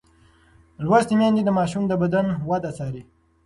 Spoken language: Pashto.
لوستې میندې د ماشوم د بدن وده څاري.